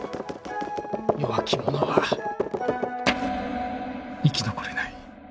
弱き者は生き残れない。